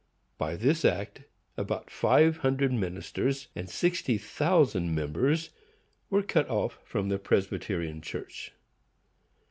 By this act about five hundred ministers and sixty thousand members were cut off from the Presbyterian Church.